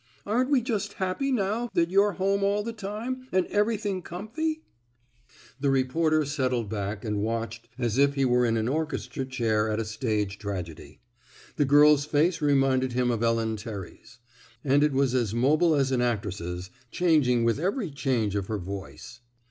Aren't we just happy now that you're home all the time, and every thing comfyf " The reporter settled back and watched as if he were in an orchestra chair at a stage tragedy. The girl's face reminded him of Ellen Terry's; and it was as mobile as an actress's, changing with every change of her voice.